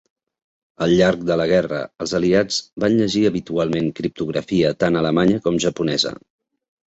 Al llarg de la guerra, els aliats van llegir habitualment criptografia tant alemanya com japonesa.